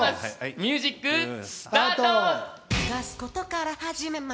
ミュージックスタート！